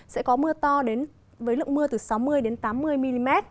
sẽ có mưa to đến với lượng mưa từ sáu mươi tám mươi mm